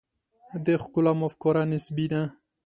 د ښکلا مفکوره نسبي ده.